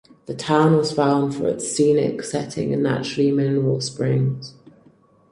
The town was founded for its scenic setting and natural mineral springs.